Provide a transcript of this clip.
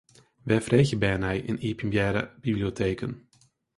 Wêr freegje bern nei yn iepenbiere biblioteken?